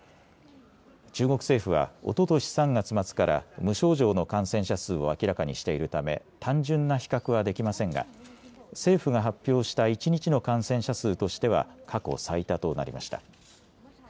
中国政府は、おととし３月末から無症状の感染者数を明らかにしているため単純な比較はできませんが政府が発表した一日の感染者数としては過去最多となりました。